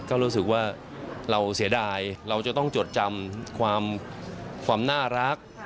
ก็รู้สึกว่าเราเสียดายเราจะต้องจดจำความน่ารัก